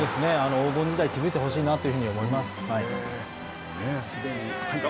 黄金時代を築いてほしいなと思います。